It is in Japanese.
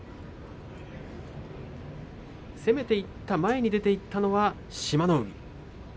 攻めていった前に出ていったのは志摩ノ海。